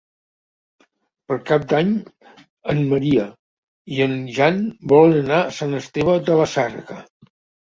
Per Cap d'Any en Maria i en Jan volen anar a Sant Esteve de la Sarga.